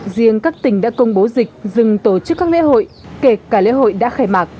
riêng các tỉnh đã công bố dịch dừng tổ chức các lễ hội kể cả lễ hội đã khai mạc